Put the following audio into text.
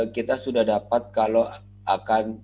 kita sudah dapat kalau akan